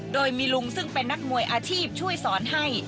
โดยมีลุงซึ่งเป็นนักมวยอาชีพช่วยสอนให้